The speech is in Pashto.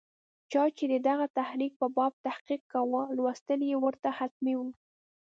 چا چې د دغه تحریک په باب تحقیق کاوه، لوستل یې ورته حتمي وو.